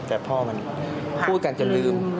แต่พ่อมันพูดกันจนลืม